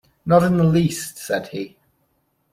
"Not in the least," said he.